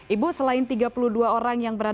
ibu selain tiga puluh dua orang yang berada